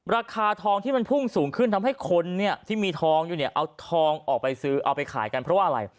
ราคาทองที่มันพุ่งสูงขึ้นทำให้คนเนี่ยที่มีทองอยู่เนี่ยเอาทองออกไปซื้อเอาไปขายกันเพราะว่าอะไร